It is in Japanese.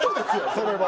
それは。